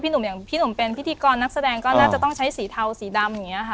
หนุ่มอย่างพี่หนุ่มเป็นพิธีกรนักแสดงก็น่าจะต้องใช้สีเทาสีดำอย่างนี้ค่ะ